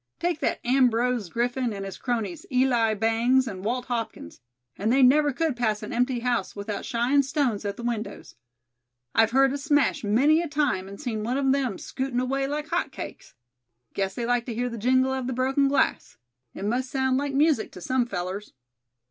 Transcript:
"Take that Ambrose Griffin and his cronies, Eli Bangs and Walt Hopkins, and they never could pass an empty house without shyin' stones at the windows. I've heard a smash many a time, and seen one of them scootin' away like hot cakes. Guess they like to hear the jingle of the broken glass; it must sound like music to some fellers."